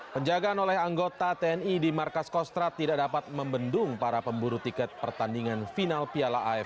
pembelian tiket pertama di markas kostrad tidak terkendali